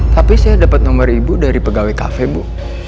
tapi saya dapat nomor ibu dari pegawai kafe bu